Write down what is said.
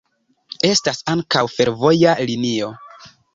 Estas ankaŭ fervoja linio.